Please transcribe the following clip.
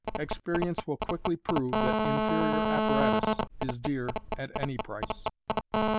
Experience will quickly prove that inferior apparatus is dear at any price.